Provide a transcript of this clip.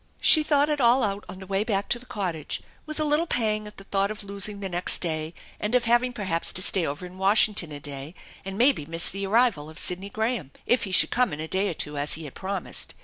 She thought it all out on the way back to the cottage^ 240 THE ENCHANTED BARN with a little pang at the thought of losing the next day and of having perhaps to stay over in Washington a day and maybe miss the arrival of Sidney Graham, if he should come in a day or two, as he had promised.